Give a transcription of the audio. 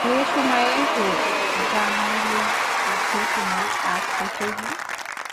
যে সময়ে হউক জানাইলেই বুঝি তােমার কাজ শেষ হইল?